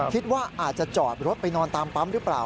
คิดว่าอาจจะจอดรถไปนอนตามปั๊มหรือเปล่า